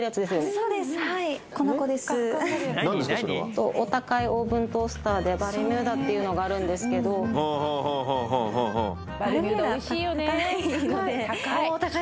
それはお高いオーブントースターでバルミューダっていうのがあるんですけどふんふんふんふんふんふん・